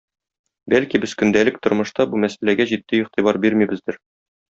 Бәлки, без көндәлек тормышта бу мәсьәләргә җитди игътибар бирмибездер.